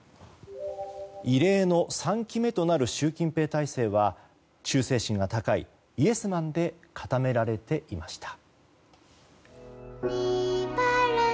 異例の３期目となる習近平体制は忠誠心が高いイエスマンで固められていました。